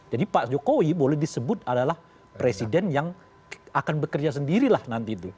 jadi pak jokowi boleh disebut adalah presiden yang akan bekerja sendirilah nanti itu